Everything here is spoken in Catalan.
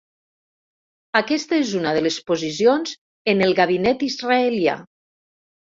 Aquesta és una de les posicions en el gabinet israelià.